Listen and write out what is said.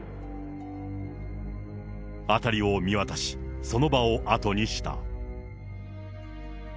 辺りを見渡し、その場を後にした。